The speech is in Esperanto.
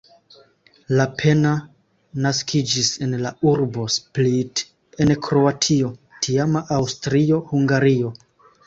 Lapenna naskiĝis en la urbo Split en Kroatio, tiama Aŭstrio-Hungario.